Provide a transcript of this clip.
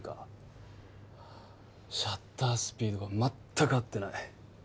シャッタースピードがまったく合ってない。